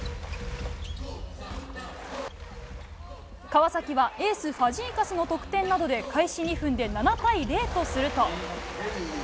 川崎はエース、ファジーカスの得点などで開始２分で７対０とすると。